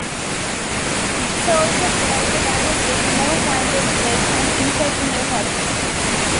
This also provides the virus with more time to spread and infect new hosts.